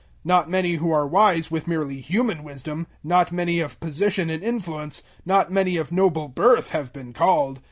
Not many who are wise with merely human wisdom, not many of position and influence, not many of noble birth have been called.